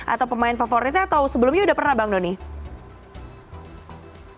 atau pemain favorit atau sebelumnya sudah pernah bang donny